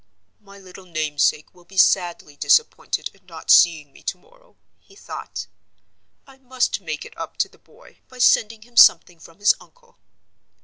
"My little name sake will be sadly disappointed at not seeing me to morrow," he thought. "I must make it up to the boy by sending him something from his uncle."